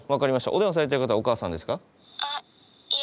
お電話されてる方はお母さんですか？